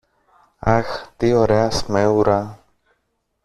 Αχ, τι ωραία σμέουρα!